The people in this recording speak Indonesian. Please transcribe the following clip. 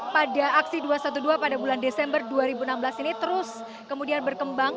pada aksi dua ratus dua belas pada bulan desember dua ribu enam belas ini terus kemudian berkembang